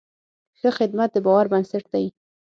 ښه خدمت د باور بنسټ دی.